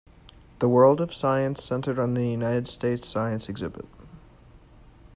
The World of Science centered on the United States Science Exhibit.